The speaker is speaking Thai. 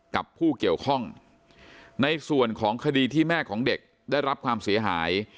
กับผู้เกี่ยวข้องในส่วนของคดีที่แม่ของเด็กได้รับความเสียหาย